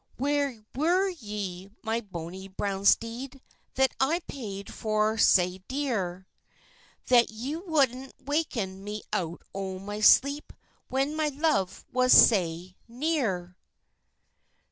"Where were ye, my bony brown steed, That I paid for sae dear, That ye woudna waken me out o' my sleep When my love was sae near?"